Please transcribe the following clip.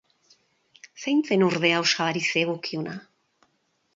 Zein zen, ordea, osabari zegokiona?